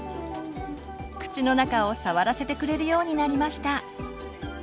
口の中を触らせてくれるようになりました。